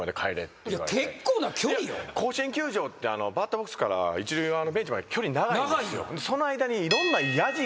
甲子園球場ってバッターボックスから一塁側のベンチまで距離長いんですよ。